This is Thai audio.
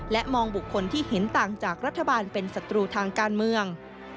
และมองบุคคลที่เห็นต่างจากรัฐบาลเป็นศัตรูทางการเมือง